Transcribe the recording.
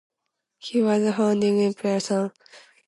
He was the founding emperor Sun Quan's youngest son and heir.